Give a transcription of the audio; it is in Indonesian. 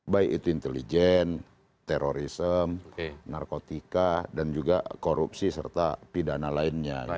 baik itu intelijen terorisme narkotika dan juga korupsi serta pidana lainnya